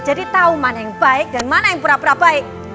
jadi tahu mana yang baik dan mana yang berapa baik